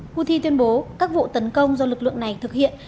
houthi tuyên bố các vụ tấn công do lực lượng này thực hiện